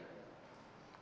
kalau bapak begitu pak